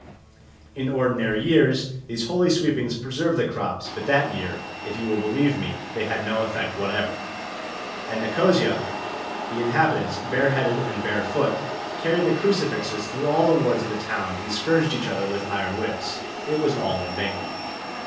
In ordinary years these holy sweepings preserve the crops; but that year, if you will believe me, they had no effect whatever. At Nicosia the inhabitants, bare headed and bare foot, carried the crucifixes through all the wards of the town and scourged each other with iron whips. It was all in vain.